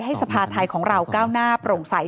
สภาไทยของเราก้าวหน้าโปร่งใส